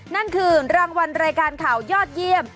นั่นคือรางวัลรายการข่าวยอดเยี่ยม